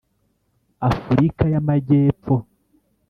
afurika yama jyepfo